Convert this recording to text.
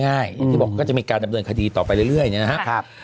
อย่างที่บอกก็จะมีการดำเนินคดีต่อไปเรื่อยเนี่ยนะครับ